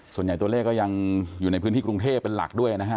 ส่วนใหญ่ตัวเลขก็ยังอยู่ในพื้นที่กรุงเทพเป็นหลักด้วยนะฮะ